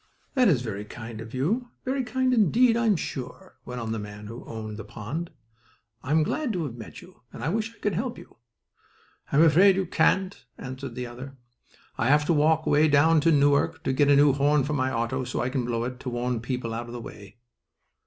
"That is very kind of you; very kind, indeed, I'm sure," went on the man who owned the pond. "I am glad to have met you; and I wish I could help you." "I'm afraid you can't," answered the other. "I have to walk way down to Newark, to get a new horn for my auto, so I can blow it, to warn people out of the way."